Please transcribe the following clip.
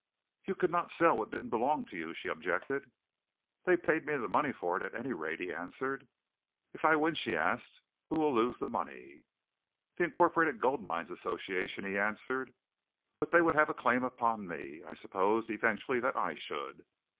"You could not sell what didn't belong to you," she objected. "They paid me the money for it, at any rate," he answered. "If I win," she asked, "who will lose the money?" "The Incorporated Gold Mines Association," he answered, "but they would have a claim upon me. I suppose, eventually, that I should."